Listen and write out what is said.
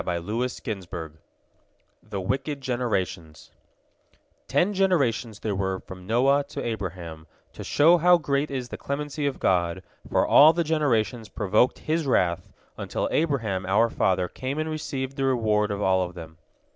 V ABRAHAM THE WICKED GENERATIONS Ten generations there were from Noah to Abraham, to show how great is the clemency of God, for all the generations provoked His wrath, until Abraham our father came and received the reward of all of them.